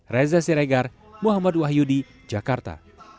reza siregar muhammad wahyudi jakarta